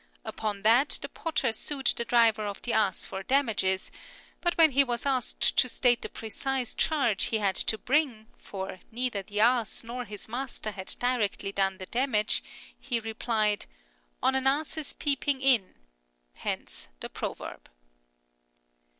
Upon that the potter sued the driver of the ass for damages ; but when he was asked to state the precise charge he had to bring, for neither the ass nor his master had directly done the damage, he replied, " On an ass's peeping in," hence the proverb.